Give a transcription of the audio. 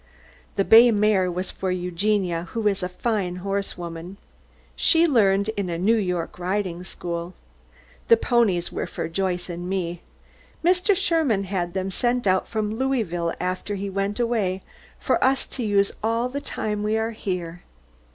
The bay mare was for Eugenia, who is a fine horsewoman. She learned in a New York riding school. The ponies were for Joyce and me. Mr. Sherman had them sent out from Louisville after he went away, for us to use all the time we are here.